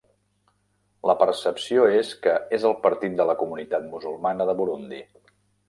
La percepció és que és el partit de la comunitat musulmana de Burundi.